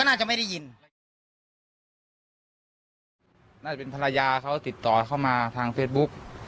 น่าจะเป็นภรรยาเขาติดต่อเข้ามาทางเฟสบุ๊ค